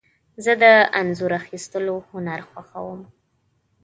زه د انځور اخیستلو هنر خوښوم.